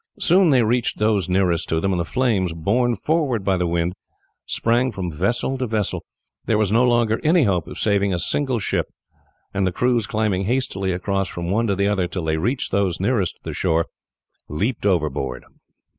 Soon they reached those nearest to them, and the flames, borne forward by the wind, sprang from vessel to vessel. There was no longer any hope of saving a single ship; and the crews, climbing hastily across from one to the other till they reached those nearest to the shore, leaped overboard.